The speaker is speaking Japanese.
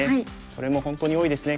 これも本当に多いですね。